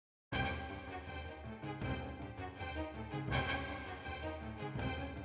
rapat prato vedas warnasi